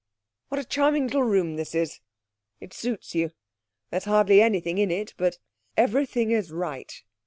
What a charming little room this is. It suits you. There's hardly anything in it, but everything is right.'